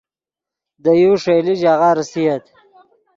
دے یو ݰئیلے ژاغہ ریسییت